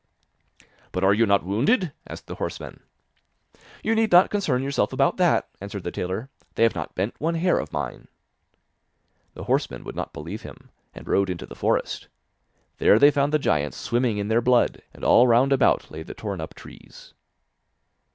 'But are you not wounded?' asked the horsemen. 'You need not concern yourself about that,' answered the tailor, 'they have not bent one hair of mine.' The horsemen would not believe him, and rode into the forest; there they found the giants swimming in their blood, and all round about lay the torn up trees.